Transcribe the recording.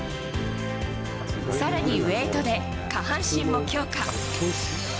さらにウエートで下半身も強化。